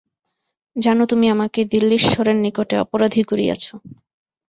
জানো তুমি আমাকে দিল্লীশ্বরের নিকটে অপরাধী করিয়াছ!